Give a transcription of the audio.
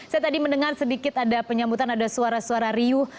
saya tadi mendengar sedikit ada penyambutan ada suara suara riuh